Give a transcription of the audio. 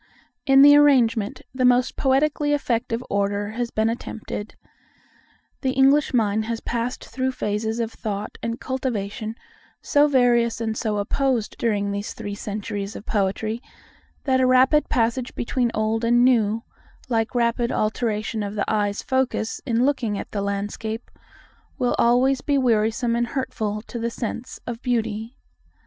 In the arrangement, the most poetically effective order has been attempted. The English mind has passed through phases of thought and cultivation so various and so opposed during these three centuries of poetry, that a rapid passage between old and new, like rapid alteration of the eye's focus in looking at the landscape, will always be wearisome and hurtful to the sense of beauty.